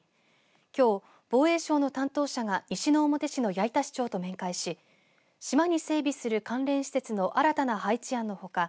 きょう、防衛省の担当者が西之表市の八板市長と面会し島に整備する関連施設の新たな配置案のほか